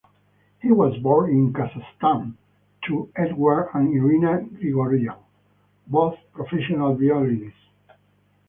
He was born in Kazakhstan to Eduard and Irina Grigoryan, both professional violinists.